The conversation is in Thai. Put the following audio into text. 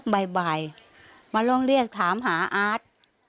บ่ายมาลองเรียกถามหาอาร์ต